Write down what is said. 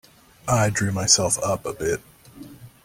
I drew myself up a bit.